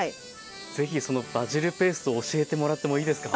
是非その「バジルペースト」を教えてもらってもいいですか？